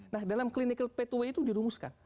nah dalam clinical pathway itu dirumuskan